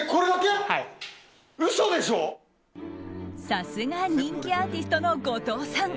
さすが人気アーティストの後藤さん。